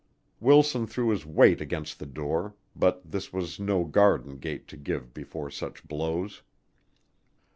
Wilson threw his weight against the door, but this was no garden gate to give before such blows.